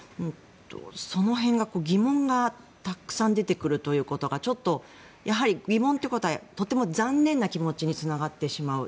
その辺が、疑問がたくさん出てくるということがちょっとやはり疑問ということはとても残念な気持ちにつながってしまう。